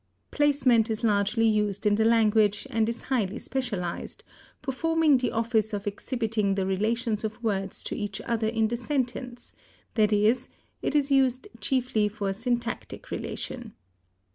Placement is largely used in the language, and is highly specialized, performing the office of exhibiting the relations of words to each other in the sentence; i.e., it is used chiefly for syntactic relation.